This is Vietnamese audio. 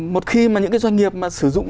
một khi mà những cái doanh nghiệp mà sử dụng